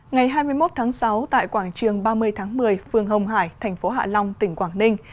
ngày hai mươi một tháng sáu tại quảng trường ba mươi tháng một mươi phường hồng hải thành phố hạ long tỉnh quảng ninh